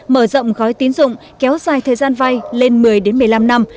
mở rộng gói tín dụng kéo dài thời gian vay lên một mươi một mươi năm năm